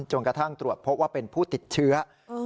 จนกระทั่งตรวจพบว่าเป็นผู้ติดเชื้อ